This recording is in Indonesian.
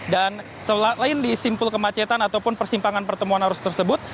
dan selain di simpul kemacetan ataupun persimpangan pertemuan arus tersebut